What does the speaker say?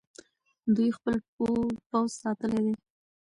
دوی خپل پوځ ساتلی دی.